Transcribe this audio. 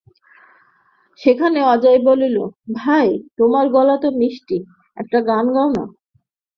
সেখানে অজয় বলিল, ভাই, তোমার তো গলা মিষ্টি-একটা গান গাও না?